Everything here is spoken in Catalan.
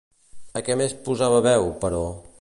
A què més posava veu, però?